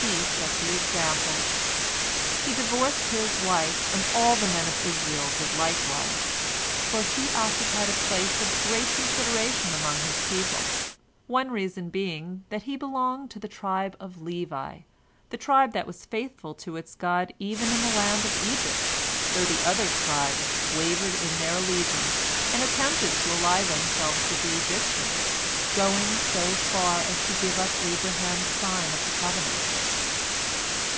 He set the example. He divorced his wife, and all the men of Israel did likewise, for he occupied a place of great consideration among his people, one reason being that he belonged to the tribe of Levi, the tribe that was faithful to its God even in the land of Egypt, though the other tribes wavered in their allegiance, and attempted to ally themselves with the Egyptians, going so far as to give up Abraham's sign of the covenant.